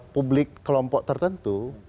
publik kelompok tertentu